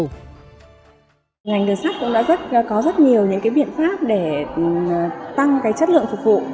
ngành đường sắt cũng đã có rất nhiều những biện pháp để tăng chất lượng phục vụ